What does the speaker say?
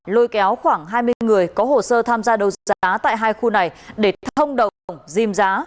lôi kéo khoảng hai mươi người có hồ sơ tham gia đấu giá tại hai khu này để thông đầu cổng dinh giá